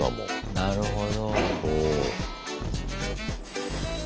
なるほど。